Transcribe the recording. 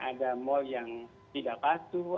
ada mal yang tidak patuh